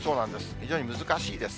非常に難しいです。